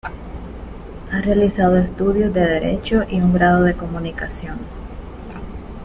Ha realizado estudios de derecho y un grado de comunicación.